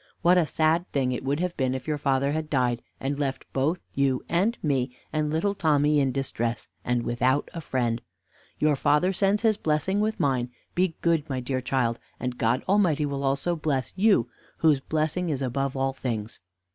What a sad thing it would have been if your father had died, and left both you and me, and little Tommy in distress, and without a friend. Your father sends his blessing with mine. Be good, my dear child, and God Almighty will also bless you, whose blessing is above all things.